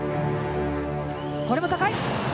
これも高い。